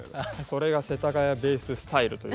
それが世田谷ベーススタイルという。